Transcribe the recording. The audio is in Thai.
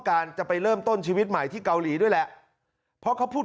การจะไปเริ่มต้นชีวิตใหม่ที่เกาหลีด้วยแหละเพราะเขาพูด